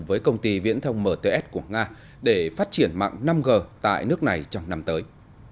với công ty viễn thông mts của nga để phát triển mạng năm g tại nước này trong năm tới